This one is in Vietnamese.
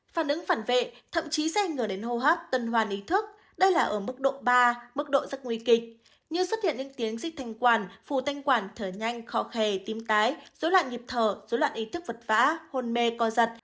phản ứng phản vệ thậm chí sẽ ảnh hưởng đến hô hấp tân hoàn ý thức đây là ở mức độ ba mức độ rất nguy kịch như xuất hiện những tiếng xích thanh quản phù thanh quản thở nhanh khó khề tim tái dối loạn nhịp thở dối loạn ý thức vật vã hôn mê co giật